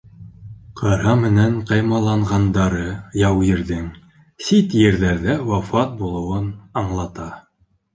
Ҡара менән ҡаймаланғандары яугирҙың сит ерҙәрҙә вафат булыуын аңлата.